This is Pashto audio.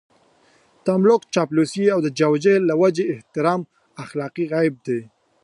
تملق، چاپلوسي او د جاه و جلال له وجهې احترام اخلاقي عيب دی.